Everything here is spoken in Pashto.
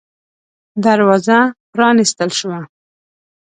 دروازه پًرانيستل شوه.